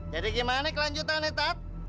jadi gimana kelanjutannya start